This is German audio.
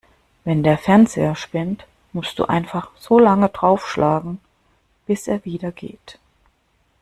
Wenn der Fernseher spinnt, musst du einfach so lange draufschlagen, bis er wieder geht.